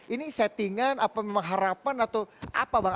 ini settingan apa memang harapan atau apa bang